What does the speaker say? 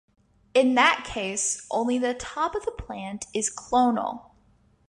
In that case only the top of the plant is clonal.